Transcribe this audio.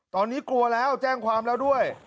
ตอนนี้กลัวแล้วแจ้งความแล้วด้วย